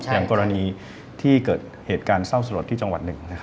อย่างกรณีที่เกิดเหตุการณ์เศร้าสลดที่จังหวัดหนึ่ง